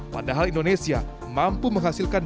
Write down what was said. padahal indonesia mampu menghasilkan